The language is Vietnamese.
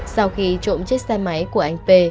sau khi trộm chiếc xe máy của anh p